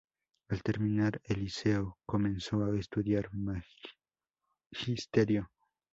Al terminar el liceo comenzó a estudiar magisterio.